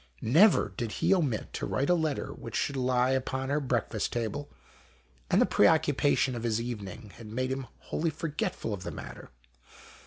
Never did he omit to write a letter which should lie upon her breakfast table, andi the pre occupation of this evening had madej him wholly forgetful of the matter.